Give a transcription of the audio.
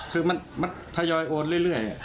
คือมันทยอยโอนเรื่อย